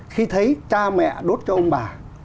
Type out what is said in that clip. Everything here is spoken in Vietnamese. khi thấy cha mẹ đốt cho ông bà